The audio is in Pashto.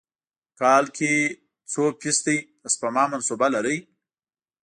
کال کې څو فیص ده د سپما منصوبه لرئ؟